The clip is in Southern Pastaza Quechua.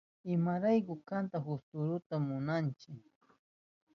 ¿Imaraykuta kanka fusfuruta munanki?